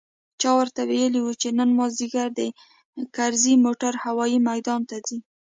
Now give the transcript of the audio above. چا ورته ويلي و چې نن مازديګر د کرزي موټر هوايي ميدان ته ځي.